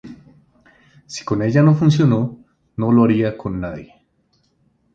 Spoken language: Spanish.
Si con ella no funcionó, no lo haría con nadie.